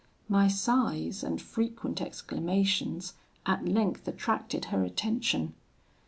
My sighs and frequent exclamations at length attracted her attention.